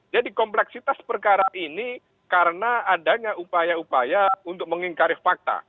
jadi kompleksitas perkara ini karena adanya upaya upaya untuk mengingkarif fakta